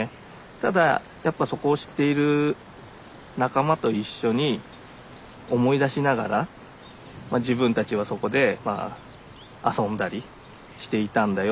ただやっぱそこを知っている仲間と一緒に思い出しながらまあ自分たちはそこで遊んだりしていたんだよ